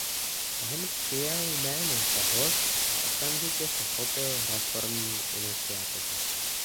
Ten přijal jméno Řehoř a okamžitě se chopil reformní iniciativy.